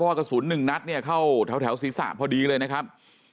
เพราะสูญ๑นัดเนี่ยเข้าแถวสี่สามพอดีเลยนะครับ